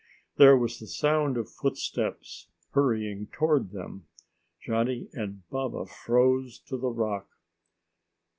There was the sound of footsteps hurrying toward them. Johnny and Baba froze to the rock.